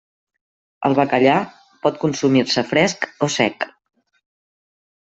El bacallà pot consumir-se fresc o sec.